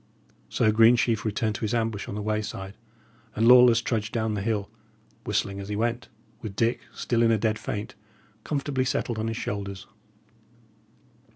So Greensheve returned to his ambush on the wayside, and Lawless trudged down the hill, whistling as he went, with Dick, still in a dead faint, comfortably settled on his shoulders.